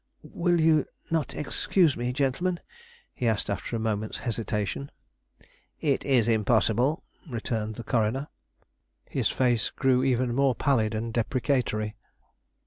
"Will you not excuse me, gentlemen?" he asked, after a moment's hesitation. "It is impossible," returned the coroner. His face grew even more pallid and deprecatory.